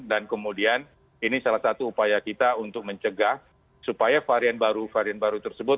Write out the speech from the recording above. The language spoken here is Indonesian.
dan kemudian ini salah satu upaya kita untuk mencegah supaya varian baru varian baru tersebut